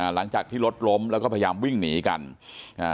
หลังจากที่รถล้มแล้วก็พยายามวิ่งหนีกันอ่า